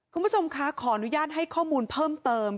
คุณผู้ชมคะขออนุญาตให้ข้อมูลเพิ่มเติม